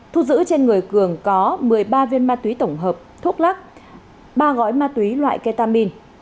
thu giữ trên người cường có một mươi ba viên ma túy tổng hợp thuốc lắc ba gói ma túy loại ketamin